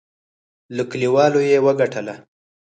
له کلیوالو یې وګټله.